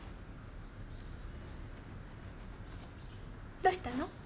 どうしたの？